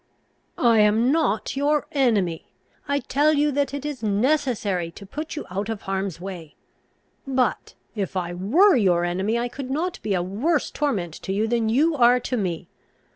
"I am not your enemy. I tell you that it is necessary to put you out of harm's way. But, if I were your enemy, I could not be a worse torment to you than you are to me.